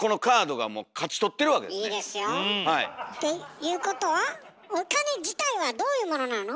いいですよ！っていうことはお金自体はどういうものなの？